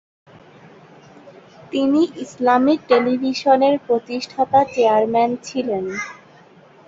তিনি ইসলামিক টেলিভিশনের প্রতিষ্ঠাতা চেয়ারম্যান ছিলেন।